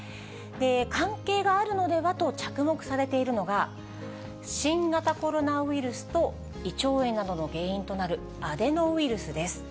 関係があるのではと着目されているのが、新型コロナウイルスと胃腸炎などの原因となるアデノウイルスです。